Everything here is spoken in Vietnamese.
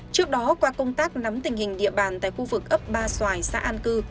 trước đó qua công tác nắm tình hình địa bàn tại khu vực ấp ba xoài xã an cư